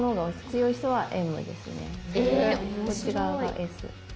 こっち側がＳ。